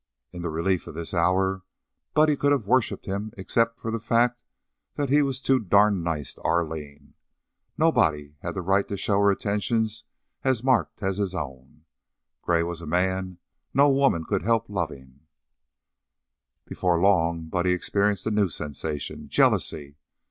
In the relief of this hour, Buddy could have worshiped him except for the fact that he was too darned nice to Arline nobody had the right to show her attentions as marked as his own Gray was a man no woman could help loving Before long Buddy experienced a new sensation jealousy.